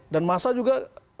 dan massa juga